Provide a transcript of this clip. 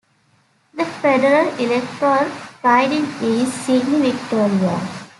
The federal Electoral Riding is Sydney-Victoria.